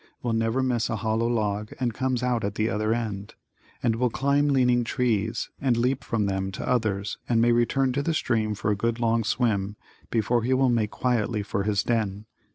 Will never miss a hollow log and comes out at the other end, and will climb leaning trees and leap from them to others and may return to the stream for a good long swim before he will make quietly for his den.